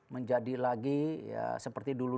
menjadi lagi seperti dulu